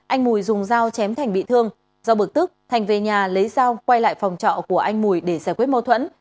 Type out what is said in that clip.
anh mùi dùng dao chém thành bị thương do bực tức thành về nhà lấy dao quay lại phòng trọ của anh mùi để giải quyết mâu thuẫn